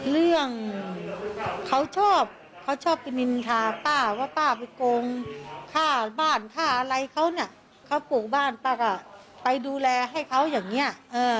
เรื่องเขาชอบเขาชอบไปนินทาป้าว่าป้าไปโกงค่าบ้านค่าอะไรเขาเนี่ยเขาปลูกบ้านป้าก็ไปดูแลให้เขาอย่างนี้